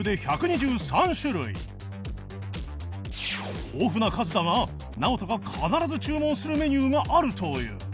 兜の豊富な数だがナオトが必ず注文するメニューがあるという